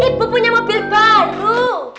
ibu punya mobil baru